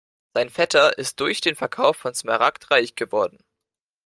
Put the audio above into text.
Sein Vetter ist durch den Verkauf von Smaragd reich geworden.